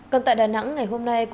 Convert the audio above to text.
công tác đà nẵng ngày hôm nay